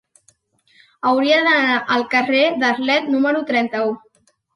Hauria d'anar al carrer d'Arlet número trenta-u.